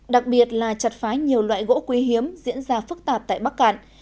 đặc biệt là chặt phá nhiều loại gỗ quý hiếm diễn ra phức tạp tại bắc cạn